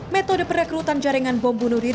metode perekrutan jaringan bom bunuh diri